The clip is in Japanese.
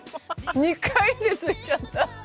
２回で付いちゃった。